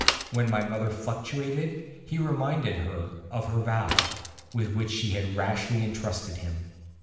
When my mother fluctuated, he reminded her of her vow, with which she had rashly intrusted him.